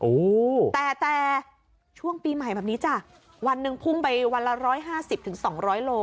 โอ้โหแต่แต่ช่วงปีใหม่แบบนี้จ้ะวันหนึ่งพุ่งไปวันละร้อยห้าสิบถึงสองร้อยโล